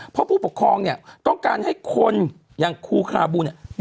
เพราะผู้ปกครองเนี่ยต้องการให้คนอย่างครูคาบูเนี่ย